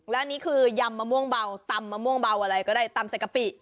และอันนี้คือยำมะม่วงเบาตำมะม่วงเบาอะไรก็ได้ตำใส่กะปิ